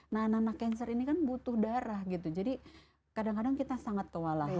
nah anak anak cancer ini kan butuh darah gitu jadi kadang kadang kita sangat kewalahan